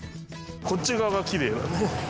こっち側がきれい。